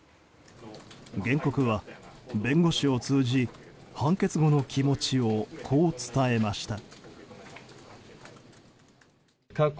原告は弁護士を通じ判決後の気持ちをこう伝えました。